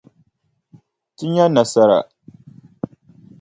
Ti nya nasara.